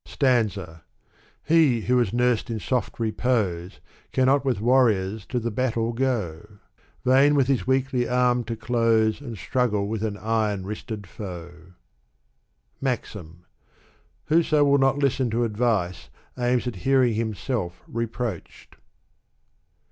Digitized by Google, He who was nursed in soft repose Cannot with warriors to the battle go; Vain with his weakly arm to close, And struggle with an iron wristed foe. MAxm. Whoso will not listen to advice aims at hearing him self reproached.